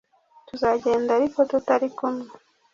Tuzagenda ariko tutari kumwe